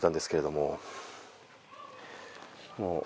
もう。